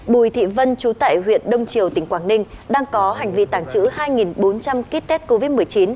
bùi thị vân chú tại huyện đông triều tỉnh quảng ninh đang có hành vi tàng trữ hai bốn trăm linh kit test covid một mươi chín